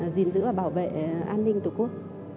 gìn giữ và bảo vệ an ninh tổ quốc